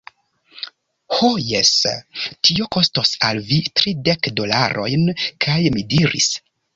Ho jes, tio kostos al vi tridek dolarojn. kaj mi diris: